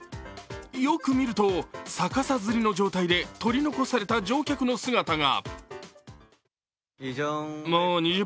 よく見ると、逆さづりの状態で、取り残された乗客の姿が。